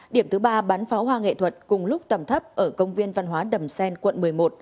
điểm thứ ba bắn pháo hoa nghệ thuật cùng lúc tầm thấp ở công viên văn hóa đầm xen quận một mươi một